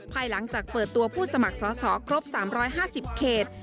ภายหลังจากเปิดตัวผู้สมัครสอสอครบ๓๕๐เขต